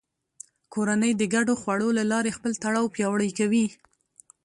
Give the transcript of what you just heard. کورنۍ د ګډو خوړو له لارې خپل تړاو پیاوړی کوي